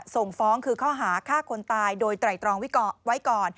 ส่งฟ้องคือข้อหาฆ่าคนตายโดยไตรตรองไว้ก่อน